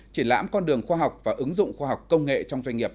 triển lãm con đường khoa học và ứng dụng khoa học công nghệ trong doanh nghiệp